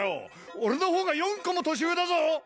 俺の方が４コも年上だぞ！